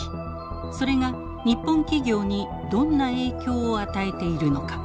それが日本企業にどんな影響を与えているのか。